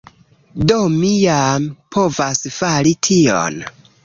Do mi jam povas fari tion